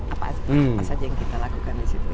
apa saja yang kita lakukan disitu